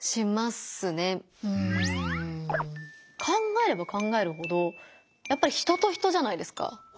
考えれば考えるほどやっぱり人と人じゃないですか。